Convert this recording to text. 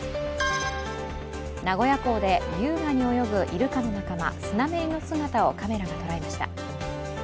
名古屋港で優雅に泳ぐイルカの仲間、スナメリの姿をカメラが捉えました。